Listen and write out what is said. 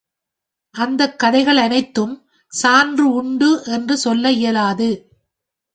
அந்தக் கதைகள் அனைத்துக்கும் சான்று உண்டு என்று சொல்ல இயலாது.